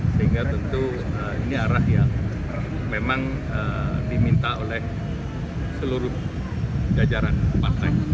sehingga tentu ini arah yang memang diminta oleh seluruh jajaran partai